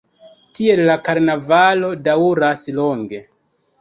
Tiel la karnavalo daŭras longe.